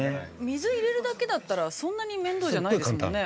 ◆水入れるだけだったら、そんなに面倒じゃないですね。